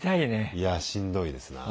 いやしんどいですな。